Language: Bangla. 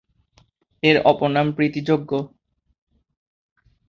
এর অপর নাম পিতৃযজ্ঞ।